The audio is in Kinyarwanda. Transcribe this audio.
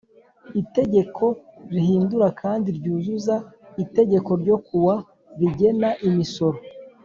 Itegeko rihindura kandi ryuzuza itegeko ryo kuwa rigena imisoro